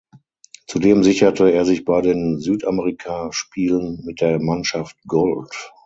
Zudem sicherte er sich bei den Südamerikaspielen mit der Mannschaft Gold.